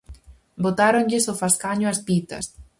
Botáronlles o fascaño ás pitas.